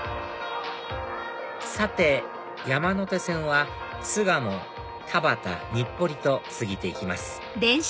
さて山手線は巣鴨田端日暮里と過ぎていきます